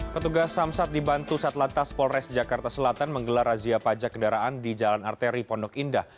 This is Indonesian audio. petugas samsat dibantu satlantas polres jakarta selatan menggelar razia pajak kendaraan di jalan arteri pondok indah